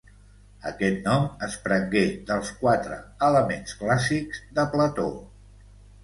Aquest nom es prengué dels quatre elements clàssics de Plató.